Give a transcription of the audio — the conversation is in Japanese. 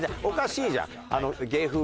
おかしいじゃん。